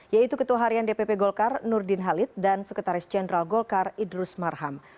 yaitu ketua harian dpp golkar nurdin halid dan sekretaris jenderal golkar idrus marham